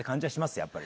やっぱり。